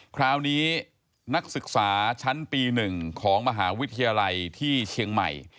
นักศึกษาชั้นปี๑ของมหาวิทยาลัยที่เชียงใหม่